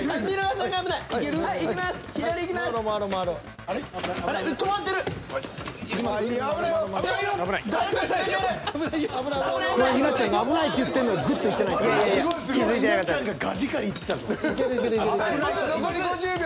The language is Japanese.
さあ残り５０秒。